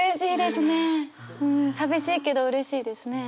うん寂しいけどうれしいですね。